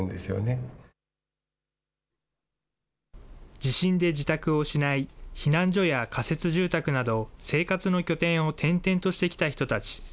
地震で自宅を失い、避難所や仮設住宅など、生活の拠点を転々としてきた人たち。